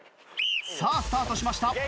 さあスタートしました。